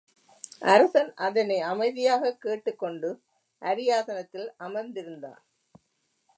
அரசன் அதனை அமைதியாகக் கேட்டுக் கொண்டு அரியாசனத்தில் அமர்ந்திருந்தான்.